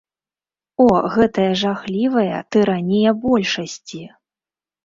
О, гэтая жахлівая тыранія большасці.